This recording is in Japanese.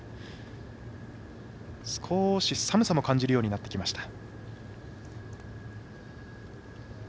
少し寒さも感じるようになってきました。